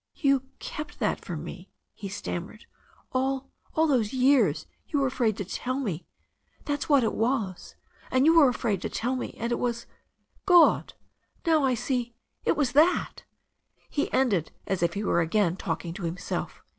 ''You kept that from me," he stammered. "All those years you were afraid to tell me — ^that's what it was. And you yrere afraid to tell me. And it was that — God! now; I see — it was that " He ended as if he were again talking to himself.